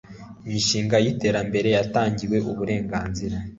imishinga y iterambere yatangiwe uburenganzira